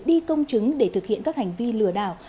đi công chứng để thực hiện các hành vi lừa đảo